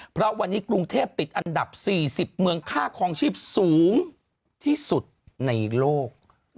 เพราะวันนี้กรุงเทพติดอันดับ๔๐เมืองค่าคลองชีพสูงที่สุดในโลก